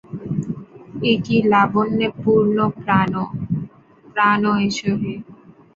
Marie প্রকাশ্যে তাদের প্রতি সহানুভূতি জানাতে থাকে এবং আদালতকে অনুরোধ করে তাদের শাস্তি কমিয়ে দিতে।